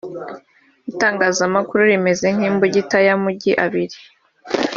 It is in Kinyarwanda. Itangazamakuru rimeze nk’imbugita y’amugi abiri